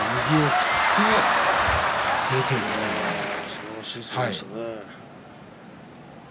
すばらしい相撲でしたね。